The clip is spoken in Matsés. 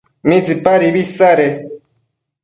¿midapadibi isade?